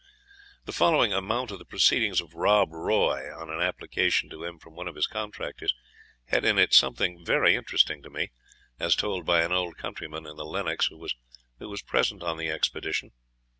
The following amount of the proceedings of Rob Roy, on an application to him from one of his contractors, had in it something very interesting to me, as told by an old countryman in the Lennox who was present on the expedition.